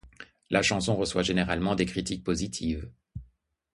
La chanson reçoit généralement des critiques positives.